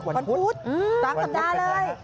วันพุธตั้งสัปดาห์เลย